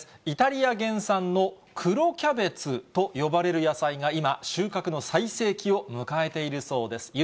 イタリア原産の黒キャベツと呼ばれる野菜が今、収穫の最盛期を迎えているそうです。